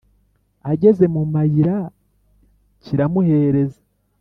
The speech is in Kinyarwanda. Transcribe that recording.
Ageze mu mayira kiramuhereza